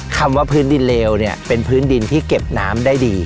คำว่าพื้นดินเลวเนี่ยเป็นพื้นดินที่เก็บน้ำได้ดี